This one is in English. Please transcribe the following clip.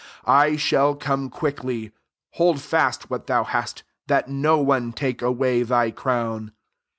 Ill shall come quick ly: hold fast what thou hast, that no one take away thy crown.